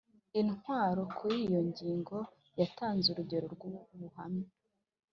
intwaro. kuri iyo ngingo yatanze urugero rw'ubuhamya